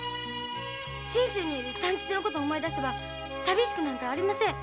信州にいる三吉の事思い出せばさびしくなんかありません。